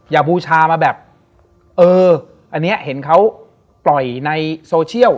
บูชามาแบบเอออันนี้เห็นเขาปล่อยในโซเชียล